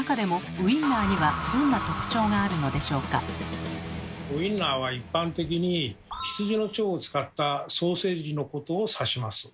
ウインナーは一般的に羊の腸を使ったソーセージのことを指します。